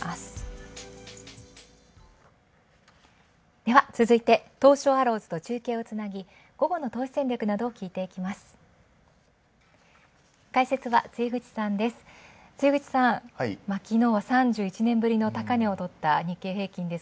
では、続いて東証アローズと中継をつなぎ、午後の投資戦略などを聞いていきます。